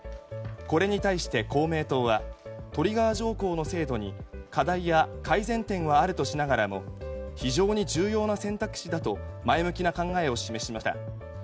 これに対して公明党はトリガー条項の制度に課題や改善点はあるとしながらも非常に重要な選択肢だと前向きな考えを示しました。